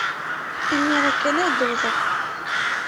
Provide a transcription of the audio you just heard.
Imir-a kan ay d-uwḍeɣ.